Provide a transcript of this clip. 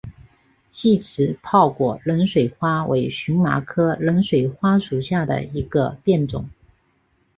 细齿泡果冷水花为荨麻科冷水花属下的一个变种。